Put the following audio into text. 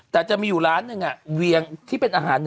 แต่จะมีอยู่ร้านหนึ่งเวียงที่เป็นอาหาร